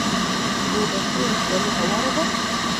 روداتو ولسوالۍ هواره ده؟